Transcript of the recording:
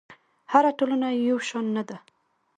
هره ټولنه یو شان نه ده.